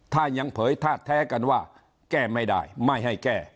ถ้ายังเผยท่าแท้กันว่าแก้ไม่ได้ไม่ให้แก้